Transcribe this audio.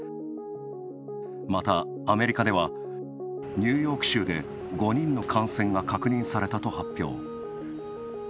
また、アメリカではニューヨーク州で５人の感染が確認されたと発表。